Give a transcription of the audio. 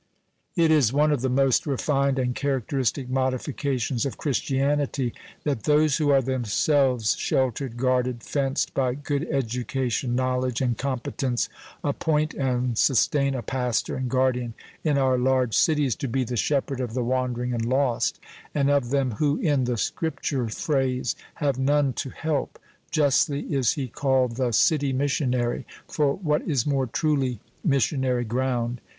It is one of the most refined and characteristic modifications of Christianity, that those who are themselves sheltered, guarded, fenced by good education, knowledge, and competence, appoint and sustain a pastor and guardian in our large cities to be the shepherd of the wandering and lost, and of them who, in the Scripture phrase, "have none to help." Justly is he called the "City Missionary," for what is more truly missionary ground?